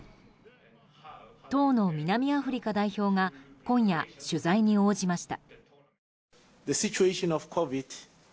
当の南アフリカ代表が今夜、取材に応じました。